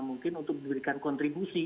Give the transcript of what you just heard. mungkin untuk memberikan kontribusi